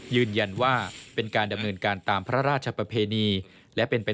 ยืนยันว่าเป็นการดำเนินการตามพระราชประเพณี